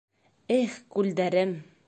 Эх, күлдәрем